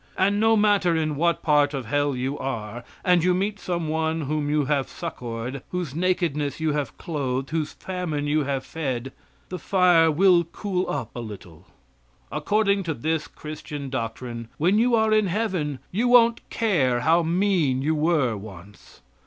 And, no matter in what part of hell you are, and you meet some one whom you have succored, whose nakedness you have clothed, and whose famine you have fed, the fire will cool up a little. According to this Christian doctrine, when you are in heaven you won't care how mean you were once.